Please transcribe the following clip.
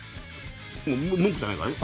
文句じゃないからね？